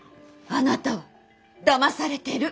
あなたはだまされてる。